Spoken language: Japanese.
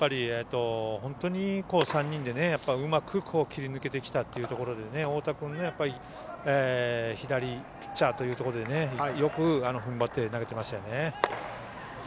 本当に３人でうまく切り抜けてきたというところで太田君も左ピッチャーというところでよくふんばって投げてましたよね。